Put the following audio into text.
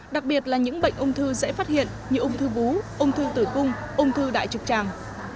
đặc biệt là những bệnh ung thư dễ phát hiện như ung thư bú ung thư tử cung ung thư đại trực tràng